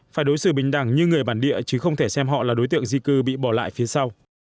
phải đối xử bình đẳng như người bản địa chứ không thể xem họ là đối tượng di cư bị bỏ lại phía sau